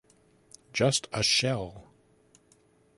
Just a shell.